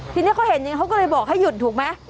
ทีนี้เขาเห็นอย่างนี้เขาก็เลยบอกให้หยุดถูกไหม